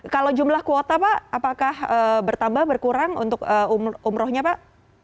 kalau jumlah kuota pak apakah bertambah berkurang untuk umrohnya pak